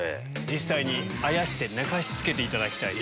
実際にあやして寝かしつけていただきたい。